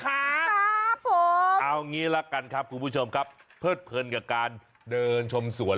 ครับผมเอางี้ละกันครับคุณผู้ชมครับเพิดเพลินกับการเดินชมสวน